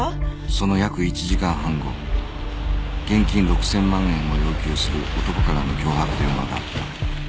その約１時間半後現金６０００万円を要求する男からの脅迫電話があった